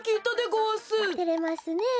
てれますねえ。